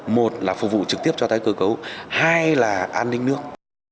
một là phục vụ trực tiếp cho tái cơ cấu hai là an ninh nước